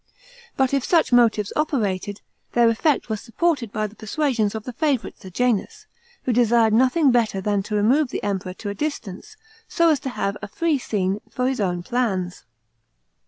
But if such motives operated, thtir effect was supported by the persuasions of the favourite Sejanus, wlo desired nothing better than to remove the Emj>eror to a distance, so as to have a tree scene for his own plans.